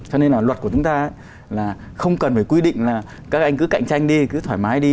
cho nên là luật của chúng ta là không cần phải quy định là các anh cứ cạnh tranh đi cứ thoải mái đi